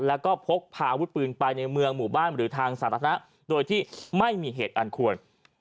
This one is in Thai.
แล้วก็พกพาอาวุธปืนไปในเมืองหมู่บ้านหรือทางสาธารณะโดยที่ไม่มีเหตุอันควร